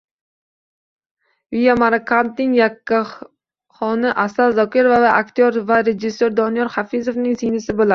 Via Marokandning yakkaxoni Asal Zokirova esa aktyor va rejissor Doniyor Hafizovning singlisi bo‘ladi